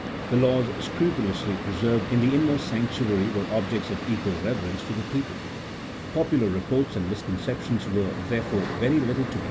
The laws, scrupulously preserved in the inmost sanctuary, were objects of equal reverence to the people. Popular reports and misconceptions were, therefore, very little to be 232 A THS0L0GIC0 P0LITICAL TREATISE.